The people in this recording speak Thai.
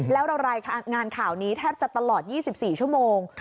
แล้วเรารายงานข่าวนี้แทบจะตลอด๒๔ชั่วโมง